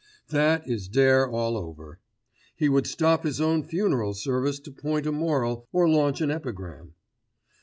That is Dare all over. He would stop his own funeral service to point a moral, or launch an epigram.